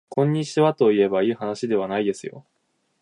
こんにちはといえばいいはなしではないですよ